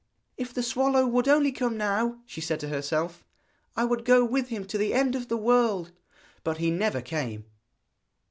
'If the swallow would only come now,' she said to herself, 'I would go with him to the end of the world.' But he never came!